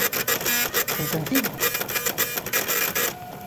Teṭṭfemt-ten-id?